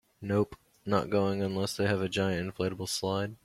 Nope, not going unless they have a giant inflatable slide.